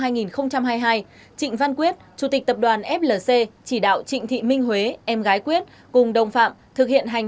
trịnh văn quyết chủ tịch tập đoàn flc chỉ đạo trịnh thị minh huế em gái quyết cùng đồng phạm